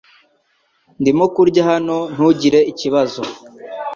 Ndimo kurya hano ntugire ikibazo